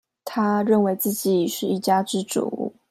他認為自己是一家之主